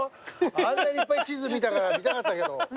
あんなにいっぱい地図見たから見たかったけど。